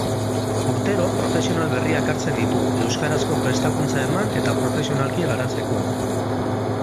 Urtero, profesional berriak hartzen ditu, euskarazko prestakuntza eman eta profesionalki garatzeko.